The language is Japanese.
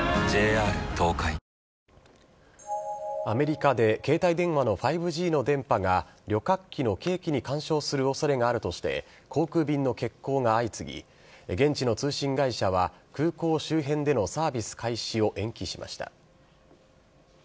アメリカで携帯電話の５Ｇの電波が旅客機の計器に干渉するおそれがあるとして、航空便の欠航が相次ぎ、現地の通信会社は、空港周辺でのサービス開始を延期しました。